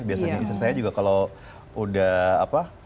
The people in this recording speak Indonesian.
biasanya istri saya juga kalau udah apa